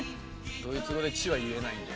ドイツ語で「チ」は言えないんで。